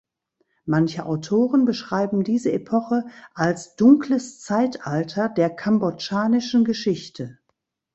Manche Autoren beschreiben diese Epoche als „dunkles Zeitalter“ der kambodschanischen Geschichte.